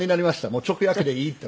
もう直訳でいいと。